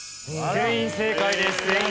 全員正解です。